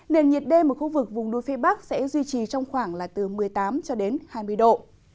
nền nhiệt đêm ở khu vực vùng núi phía bắc sẽ duy trì trong khoảng là từ một mươi tám cho đến hai mươi độ